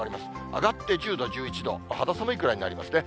上がって１０度、１１度、肌寒いくらいになりますね。